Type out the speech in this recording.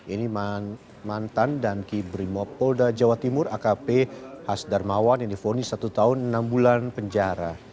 ini mantan danki brimopolda jawa timur akp hasdarmawan yang difonis satu tahun enam bulan penjara